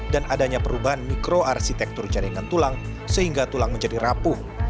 dan adanya perubahan mikroarsitektur jaringan tulang sehingga tulang menjadi rapuh